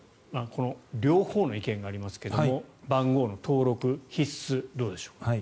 この両方の意見がありますが番号の登録必須どうでしょう。